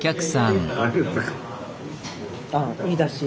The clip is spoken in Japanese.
ああいいだし！